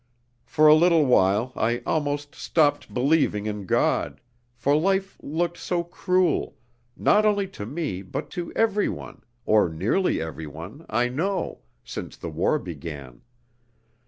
For a little while, I almost stopped believing in God, for life looked so cruel, not only to me but to every one or nearly every one I know, since the war began.